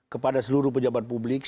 kepada seluruh pejabat publik